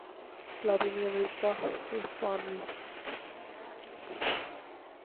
لاطینی امریکی ہسپانوی